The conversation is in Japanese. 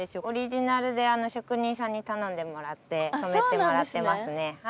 オリジナルで職人さんに頼んでもらって染めてもらってますね。